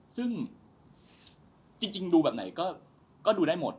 ซึ่งจริงดูแบบไหนก็ดูได้หมด